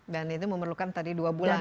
dan itu memerlukan tadi dua bulan ya